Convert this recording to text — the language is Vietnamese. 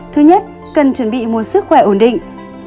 thứ nhất cần chuẩn bị một sức khỏe ổn định